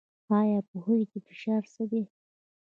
ایا پوهیږئ چې فشار څه دی؟